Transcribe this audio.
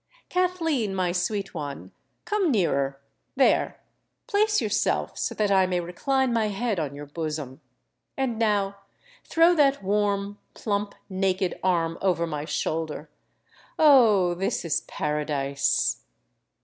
Kathleen, my sweet one, come nearer: there—place yourself so that I may recline my head on your bosom—and now throw that warm, plump, naked arm over my shoulder. Oh! this is paradise!"